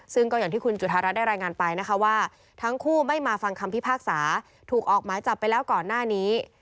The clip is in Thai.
ซึ่งก็อย่างที่คุณจุธารัฐได้รายงานไปนะคะว่าทั้งคู่ไม่มาฟังคำพิพากษาถูกออกหมายจับไปแล้วก่อนหน้านี้